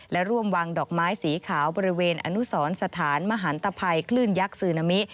และร่วมวางดอกไม้สีขาวบริเวณอนุสรสถานมหันตภัยคลื่นยักษ์ซึนามิ